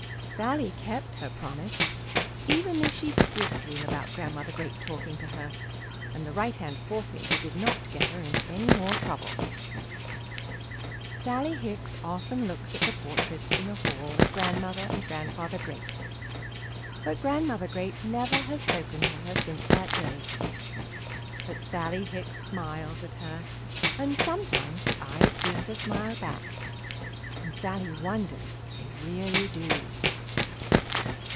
Sallie kept her promise, even if she did dream about Grandmother Great talking to her, and the right hand forefinger did not get her into any more trouble. Sallie Hicks often looks at the portraits in the hall of Grandmother and Grandfather Great, but Grandmother Great never has spoken to her since that day. But Sallie Hicks smiles at her and sometimes the eyes seem to smile back, and Sallie wonders if they really do.